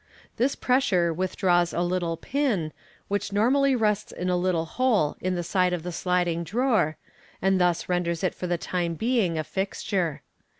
This pressure withdraws a little pin, which normally rests in a little hole in the side of the sliding drawer, and thus renders it for the time being a fixture.